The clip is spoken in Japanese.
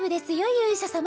勇者様。